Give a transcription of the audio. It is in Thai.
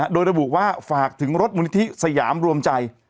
โดยระบุว่าฝากถึงรถมูลนิธิสยามรวมใจ